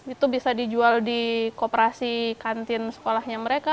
itu bisa dijual di kooperasi kantin sekolahnya mereka